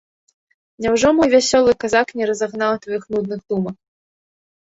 Няўжо мой вясёлы казак не разагнаў тваіх нудных думак?